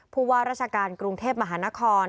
ผู้ว่าราชการกรุงเทพมหานคร